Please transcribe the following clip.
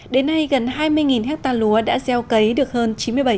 đến nay gần hai mươi hectare lúa đã gieo cấy được hơn chín mươi bảy